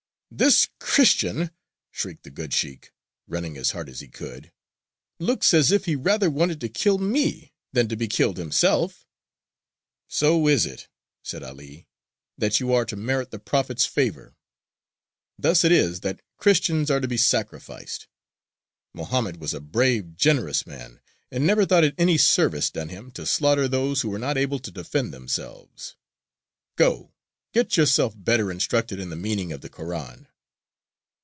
"This Christian," shrieked the good sheykh, running as hard as he could, "looks as if he rather wanted to kill me than to be killed himself." "So is it," said 'Ali, "that you are to merit the prophet's favour. Thus it is that Christians are to be sacrificed. Mohammed was a brave, generous man, and never thought it any service done him to slaughter those who were not able to defend themselves. Go; get yourself better instructed in the meaning of the Koran."